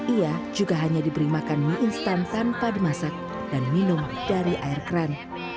ia juga hanya diberi makan mie instan tanpa dimasak dan minum dari air keren